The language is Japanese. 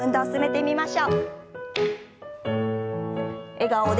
笑顔で。